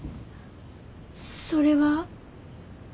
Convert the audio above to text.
それは？